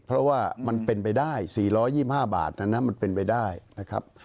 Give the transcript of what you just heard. เพราะว่ามันเป็นไปได้๔๒๕บาทนั้นนะมันเป็นไปได้นะครับ